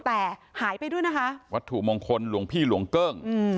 แต่หายไปด้วยนะคะวัตถุมงคลหลวงพี่หลวงเกิ้งอืม